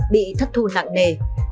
bị thất thu nặng nề